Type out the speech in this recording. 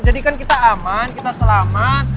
jadi kan kita aman kita selamat